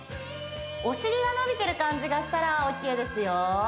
お尻が伸びてる感じがしたらＯＫですよ